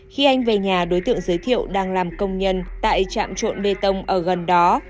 khi anh về nhà đối tượng giới thiệu đang làm công nhân tại trạm trộn bê tông ở gần đó